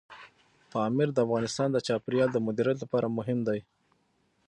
پامیر د افغانستان د چاپیریال د مدیریت لپاره مهم دی.